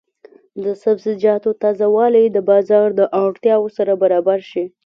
د سبزیجاتو تازه والي د بازار د اړتیا سره برابر شي.